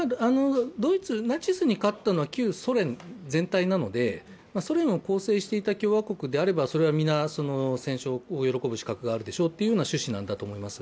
ドイツ・ナチスに勝ったのは旧ソ連全体なので、ソ連を構成していた共和国であれば、それは皆、先勝を喜ぶ資格があるでしょうという趣旨なんだと思います。